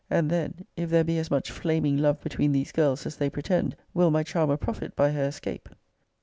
And then, if there be as much flaming love between these girls as they pretend, will my charmer profit by her escape?